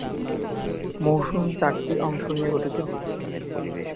মৌসুম চারটি অংশ নিয়ে গঠিত।